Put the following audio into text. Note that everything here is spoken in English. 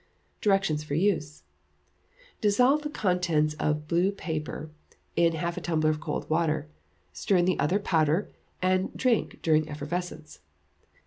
Directions for Use. Dissolve the contents of blue paper in half a tumbler of cold water, stir in the other powder, and drink during effervescence.